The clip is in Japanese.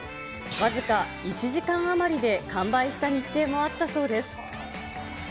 僅か１時間余りで完売した日程もあったそうです。